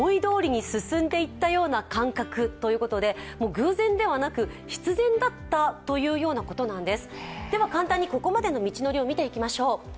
偶然ではなく必然だったというようなことなんです。